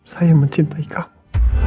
saya mencintai kamu